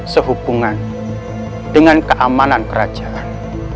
sehubungan dengan keamanan kerajaan